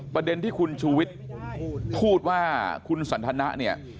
ประเด็นที่คุณชุวิตพูดว่าคุณสันธนะ